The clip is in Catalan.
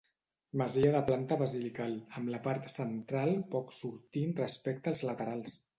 Masia de planta basilical, amb la part central poc sortint respecte als laterals.